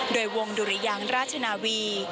โดยวงดุรยางราชนาวี